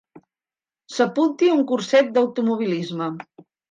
S'apunti a un curset d'automobilisme.